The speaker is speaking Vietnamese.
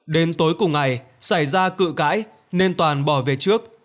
đến tối cùng ngày xảy ra cự cãi nên toàn bỏ về trước